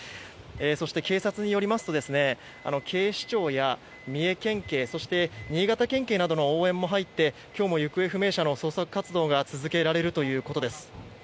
そして警察によりますと警視庁や三重県警新潟県警などの応援も入って今日も行方不明者の捜索活動が続けられるということです。